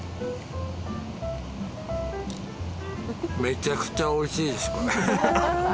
めちゃくちゃ美味しいですこれ。